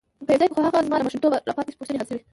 یو ځای خو هغه زما له ماشومتوبه را پاتې پوښتنې حل شوې.